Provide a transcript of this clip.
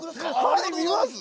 ありがとうございます。